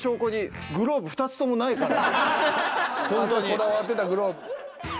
こだわってたグローブ。